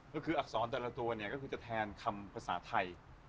ก็คืออักษรแต่ละตัวเนี่ยก็คือจะแทนคำภาษาไทย